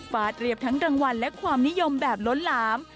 ฟาดเรียบทั้งรางวัลและความนิยมแบบล้นหลาม